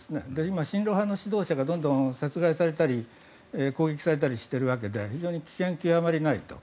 今、親ロシア派の指導者がどんどん殺害されたり攻撃されたりしているわけで非常に危険極まりないと。